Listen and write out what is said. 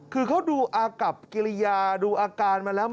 คือเขาดูอากับกิริยาดูอาการมาแล้ว